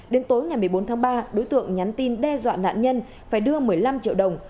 đến tối ngày một mươi bốn tháng ba đối tượng nhắn tin đe dọa nạn nhân phải đưa một mươi năm triệu đồng